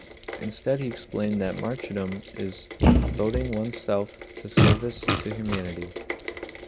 Instead, he explained that martyrdom is devoting oneself to service to humanity.